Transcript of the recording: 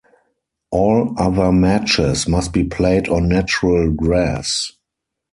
All other matches must be played on natural grass.